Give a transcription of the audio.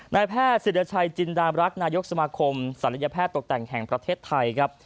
นายแพทย์ศิรชัยจินดามรักนายกสมาคมศัลยแพทย์ตกแต่งแห่งประเทศไทยครับ